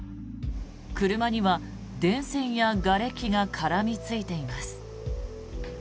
車には電線やがれきが絡みついています。